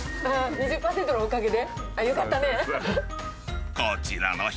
２０％のおかげで？